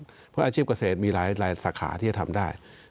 เพราะอาชีพเกษตรมีหลายสาขาที่จะทำได้